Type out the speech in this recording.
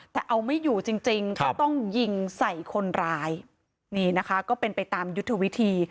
แต่เอาไม่อยู่จริงจริงก็ต้องยิงใส่คนร้ายนี่นะคะก็เป็นไปตามยุทธวิธี